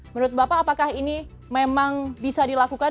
menurut bapak apakah ini memang bisa dilakukan